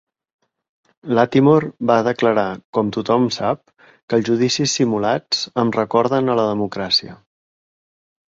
Lattimore va declarar, com tothom sap, que els judicis simulats "em recorden a la democràcia".